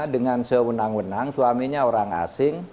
dengan sewenang wenang suaminya orang asing